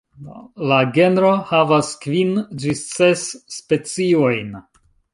La genro havas kvin ĝis ses speciojn.